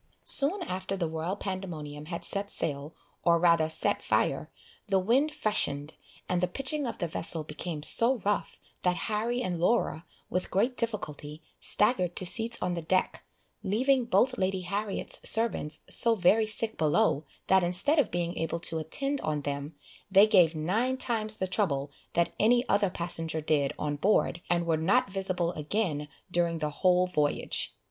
Soon after the Royal Pandemonium had set sail, or rather set fire, the wind freshened, and the pitching of the vessel became so rough, that Harry and Laura, with great difficulty, staggered to seats on the deck, leaving both Lady Harriet's servants so very sick below, that instead of being able to attend on them, they gave nine times the trouble that any other passenger did on board, and were not visible again during the whole voyage.